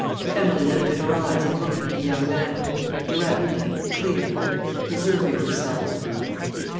Emilie lifted her eyes and looked at the young man, direct, clear, reserving herself.